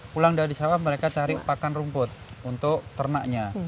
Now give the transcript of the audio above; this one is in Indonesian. pulang dari sawah mereka cari pakan rumput untuk ternaknya